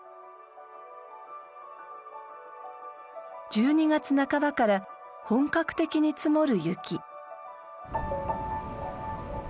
１２月半ばから本格的に積もる雪。